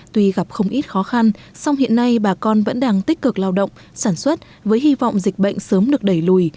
tuy gặp không ít khó khăn song hiện nay bà con vẫn đang tích cực lao động sản xuất với hy vọng dịch bệnh sớm được đẩy lùi